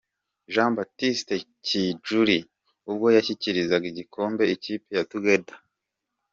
Jean Baptiste Kijuli ubwo yashyikirizaga igikombe ikipe ya Together F.